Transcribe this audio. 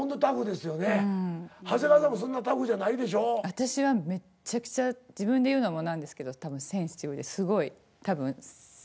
私はめっちゃくちゃ自分で言うのもなんですけど多分センシティブですごい多分繊細だと思います。